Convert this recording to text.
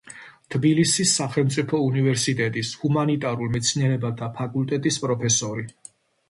თბილისის სახელმწიფო უნივერსიტეტის ჰუმანიტარულ მეცნიერებათა ფაკულტეტის პროფესორი.